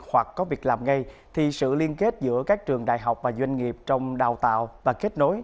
hoặc có việc làm ngay thì sự liên kết giữa các trường đại học và doanh nghiệp trong đào tạo và kết nối